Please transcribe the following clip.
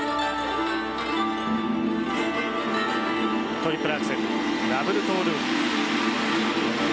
トリプルアクセルダブルトゥループ。